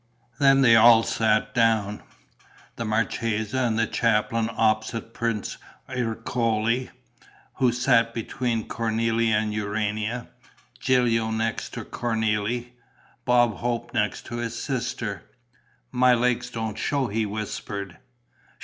Then they all sat down: the marchesa and the chaplain opposite Prince Ercole, who sat between Cornélie and Urania; Gilio next to Cornélie; Bob Hope next to his sister: "My legs don't show," he whispered.